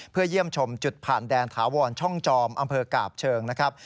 เพื่อเยี่ยมชมจุดผ่านแดนถาวรช่องจอมอำเภอกาบเชิงนะครับ